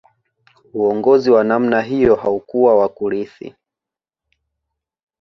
Uongozi wa namna hiyo haukuwa wa kurithi